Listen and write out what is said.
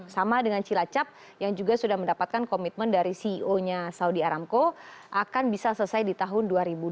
sama dengan cilacap yang juga sudah mendapatkan komitmen dari ceo nya saudi aramco akan bisa selesai di tahun dua ribu dua puluh